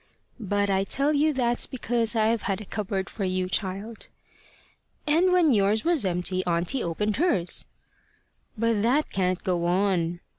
"But I tell you that's because I've had a cupboard for you, child." "And when yours was empty, auntie opened hers." "But that can't go on."